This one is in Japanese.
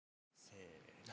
せーの。